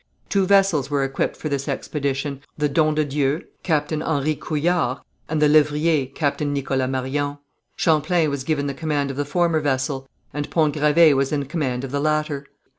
Two vessels were equipped for this expedition, the Don de Dieu, captain Henry Couillard, and the Lévrier, captain Nicholas Marion. Champlain was given the command of the former vessel, and Pont Gravé was in command of the latter.